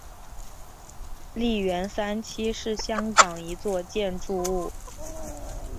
利园三期是香港一座建筑物。